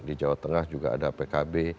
di jawa tengah juga ada pkb